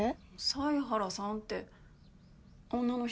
犀原さんって女の人。